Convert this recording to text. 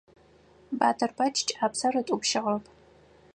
Батырбэч кӀапсэр ытӀупщыгъэп.